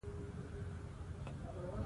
جواهرات د افغانستان په طبیعت کې مهم رول لري.